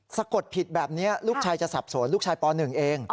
สะกดผิดแบบนี้ลูกชายจะสับสนลูกชายป๑เอง